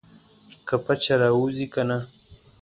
که پچه راوځي کنه.